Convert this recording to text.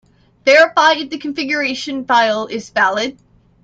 Verify if the configuration file is valid.